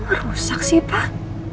kok merusak sih pak